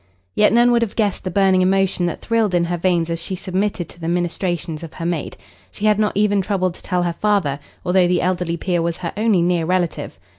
Yet none would have guessed the burning emotion that thrilled in her veins as she submitted to the ministrations of her maid. She had not even troubled to tell her father, although the elderly peer was her only near relative.